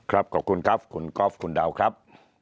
ขอบคุณครับคุณกอล์ฟคุณดาวครับ